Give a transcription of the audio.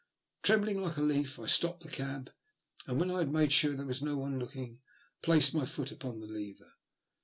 Trembling like a leaf, I stopped the cab, and when I had made sure that there was no one looking, placed my foot upon the lever.